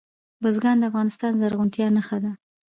بزګان د افغانستان د زرغونتیا نښه ده.